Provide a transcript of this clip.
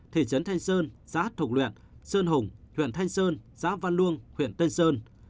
thị trấn thanh sơn xã thục luyện sơn hùng huyện thanh sơn xã văn luông huyện tây sơn